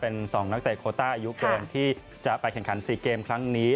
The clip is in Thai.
เป็น๒นักเตะโคต้าอายุเกินที่จะไปแข่งขัน๔เกมครั้งนี้